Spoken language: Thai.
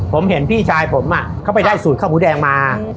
ผมเห็นพี่ชายผมเข้าไปได้สูตรข้าวหมูแดงมา